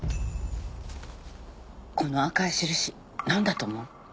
この赤い印何だと思う？